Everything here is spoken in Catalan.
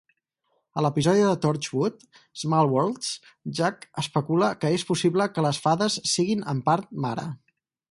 A l'episodi de "Torchwood" "Small Worlds", Jack especula que és possible que les "fades" siguin "en part Mara".